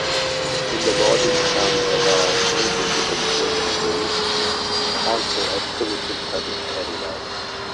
In the modern town there are no visible Roman ruins, although excavations have been carried out.